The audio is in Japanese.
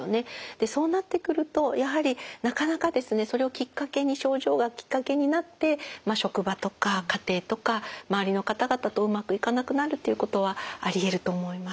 そうなってくるとやはりなかなかですねそれをきっかけに症状がきっかけになって職場とか家庭とか周りの方々とうまくいかなくなるっていうことはありえると思います。